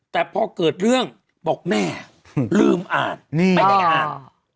แต่พอเกิดเรื่องบอกแม่ลืมอ่านไม่ได้อ่าน